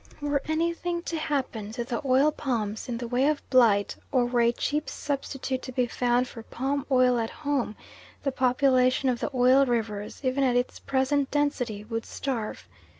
Were anything to happen to the oil palms in the way of blight, or were a cheap substitute to be found for palm oil at home, the population of the Oil Rivers, even at its present density, would starve.